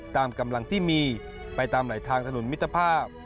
ตามกำลังที่มีไปตามไหลทางถนนมิตรภาพ